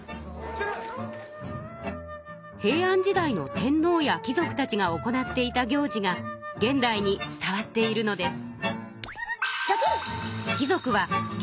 平安時代の天皇や貴族たちが行っていた行事が現代に伝わっているのです。